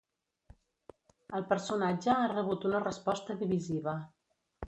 El personatge ha rebut una resposta divisiva.